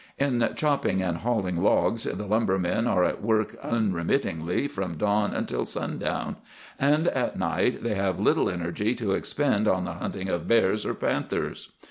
"In chopping and hauling logs the lumbermen are at work unremittingly from dawn until sun down, and at night they have little energy to expend on the hunting of bears or panthers.